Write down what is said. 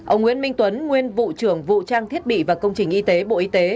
ông nguyễn minh tuấn nguyên vụ trưởng vụ trang thiết bị và công trình y tế bộ y tế